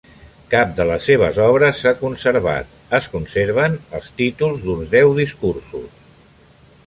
Cap de les seves obres s'ha conservat; es conserven els títols d'uns deu discursos.